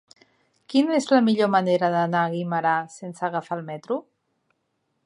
Quina és la millor manera d'anar a Guimerà sense agafar el metro?